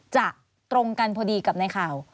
ตรงกันพอดีกับในข่าว